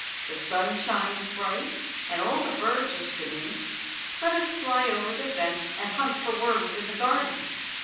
"The sun shines bright, and all the birds are singing. Let us fly over the fence and hunt for worms in the garden."